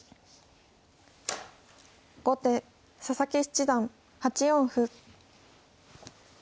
後手佐々木七段８四歩。